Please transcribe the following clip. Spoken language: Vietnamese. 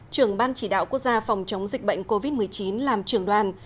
trường ban chỉ đạo quốc gia phòng chống dịch bệnh covid một mươi chín làm trường đoàn